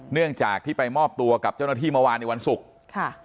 เนื่องจากที่ไปมอบตัวกับเจ้าหน้าที่เมื่อวานในวันศุกร์ค่ะ